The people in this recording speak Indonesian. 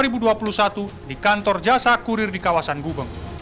di kantor jasa kurir di kawasan gubeng